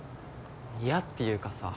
嫌っていうかさ。